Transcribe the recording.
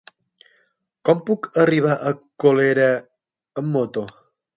Com puc arribar a Colera amb moto?